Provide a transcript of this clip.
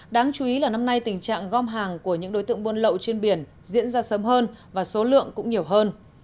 đáng chú ý là năm nay tình trạng gom hàng của những đối tượng buôn lậu trên biển diễn ra sớm hơn và số lượng cũng nhiều hơn